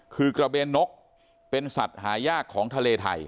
คือกระเบนนกเป็นสัตว์หายากของทะเลไทย